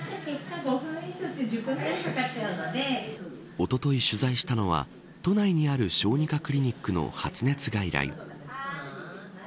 おととい取材したのは都内にある小児科クリニックの発熱外来。